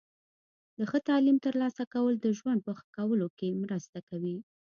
د ښه تعلیم ترلاسه کول د ژوند په ښه کولو کې مرسته کوي.